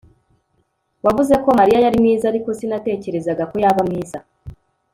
Wavuze ko Mariya yari mwiza ariko sinatekerezaga ko yaba mwiza